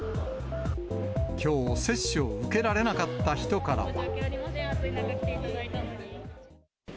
きょう、接種を受けられなかった人からは。